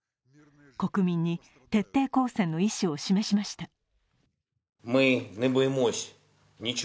国民に徹底抗戦の意思を示しました。